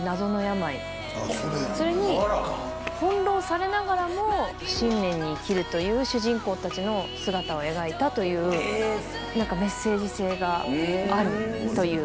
それに翻弄されながらも信念に生きるという主人公たちの姿を描いたという何かメッセージ性があるという。